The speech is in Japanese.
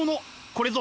これぞ！